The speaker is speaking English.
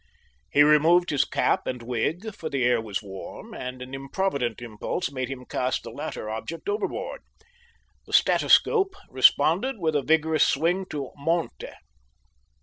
He removed his cap and wig, for the air was warm, and an improvident impulse made him cast the latter object overboard. The statoscope responded with a vigorous swing to Monte.